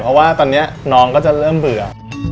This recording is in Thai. เพราะว่าตอนนี้น้องก็จะเริ่มเบื่อ